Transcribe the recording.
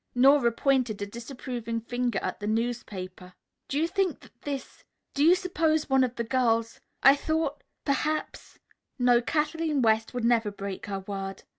Nora pointed a disapproving finger at the newspaper. "Do you that is do you suppose one of the girls I thought perhaps " "No, Kathleen West would never break her word."